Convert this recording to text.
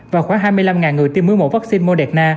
và khoảng hai mươi năm người tiêm mũi một vaccine moderna